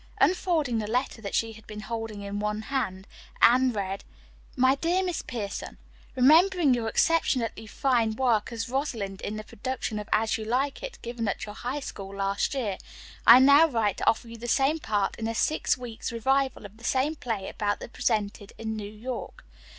Unfolding the letter that she had been holding in one hand, Anne read: "MY DEAR MISS PIERSON: "Remembering your exceptionally fine work as 'Rosalind' in the production of 'As You Like It,' given at your High School last year, I now write to offer you the same part in a six weeks' revival of the same play about to be presented in New York.